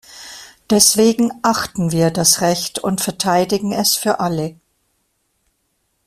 Deswegen achten wir das Recht und verteidigen es für alle.